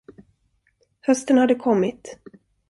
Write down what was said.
Hösten hade kommit.